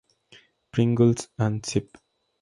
Pringles" y "Sp.